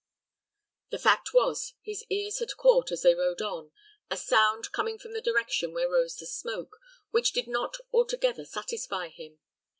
The fact was, his ears had caught, as they rode on, a sound coming from the direction where rose the smoke, which did not altogether satisfy him.